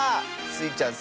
スイちゃん